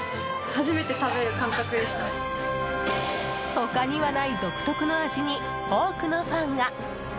他にはない独特の味に多くのファンが。